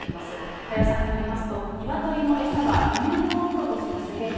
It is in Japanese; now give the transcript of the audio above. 加谷さんによりますと、ニワトリの餌は輸入とうもろこしが主原料。